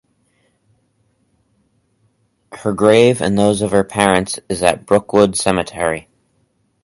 Her grave and those of her parents is at Brookwood Cemetery.